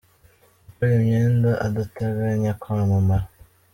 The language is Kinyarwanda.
Gukora imyenda adateganya kwamamara.